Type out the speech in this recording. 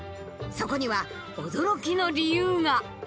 そこには驚きの理由が。